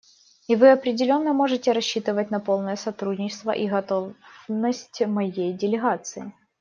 И вы определенно можете рассчитывать на полное сотрудничество и готовность моей делегации.